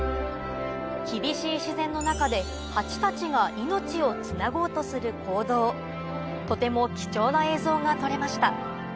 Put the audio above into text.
厳しい自然の中でハチたちが命をつなごうとする行動とても貴重な映像が撮れました